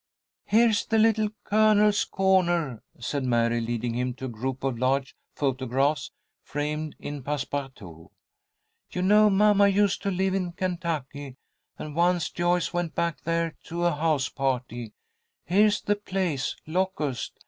"Here's the Little Colonel's corner," said Mary, leading him to a group of large photographs framed in passe partout. "You know mamma used to live in Kentucky, and once Joyce went back there to a house party. Here's the place, Locust.